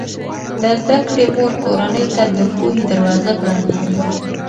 د زده کړې مور کورنۍ ته د پوهې دروازه پرانیزي.